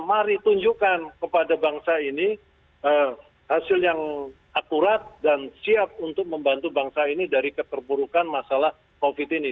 mari tunjukkan kepada bangsa ini hasil yang akurat dan siap untuk membantu bangsa ini dari keterburukan masalah covid ini